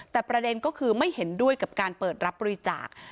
แต่ประเด็นก็คือไม่เห็นด้วยกับการเปิดรับบริจาค